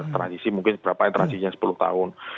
transisi mungkin berapa transisinya sepuluh tahun